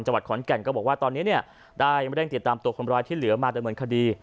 วัดขอนแก่นก็บอกว่าตอนนี้เนี่ยได้เร่งติดตามตัวคนร้ายที่เหลือมาดำเนินคดี